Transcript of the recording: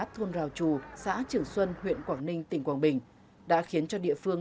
thôn rào trù xã trường xuân huyện quảng ninh tỉnh quảng bình đã khiến cho địa phương